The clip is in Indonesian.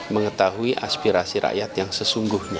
mengetahui aspirasi rakyat yang sesungguhnya